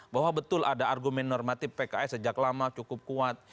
bahwa betul ada argumen normatif pks sejak lama cukup kuat